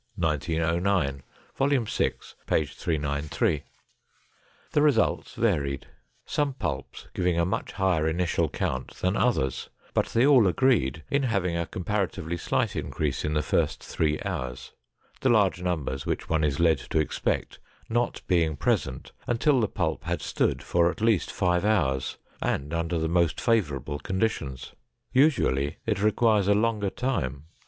1909. Vol. 6, p. 393. The results varied, some pulps giving a much higher initial count than others, but they all agreed in having a comparatively slight increase in the first three hours, the large numbers which one is led to expect not being present until the pulp had stood for at least five hours and under the most favorable conditions; usually it requires a longer time.